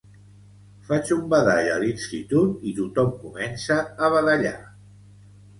Faig un badall a l'institut i tothom comença a badallar